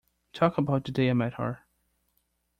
Talk about the day I met her.